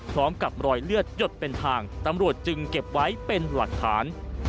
พร้อมกับรอยเลือดหยดเป็นทางตำรวจจึงเก็บไว้เป็นหลักฐาน